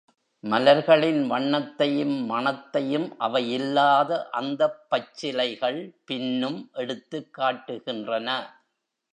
மலர்களின் வண்ணத்தையும், மணத்தையும் அவை இல்லாத அந்தப் பச்சிலைகள் பின்னும் எடுத்துக் காட்டுகின்றன.